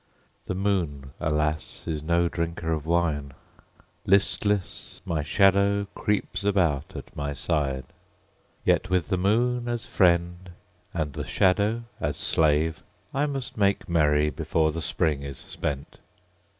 The moon, alas, is no drinker of wine; Listless, my shadow creeps about at my side. Yet with the moon as friend and the shadow as slave I must make merry before the Spring is spent.